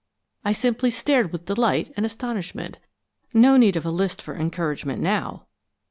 I simply stared with delight and astonishment. No need of a list for encouragement now.